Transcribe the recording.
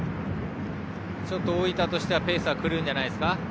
大分としてはペースが狂うんじゃないですか。